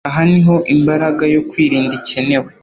Aha niho imbaraga yo kwirinda ikenewe.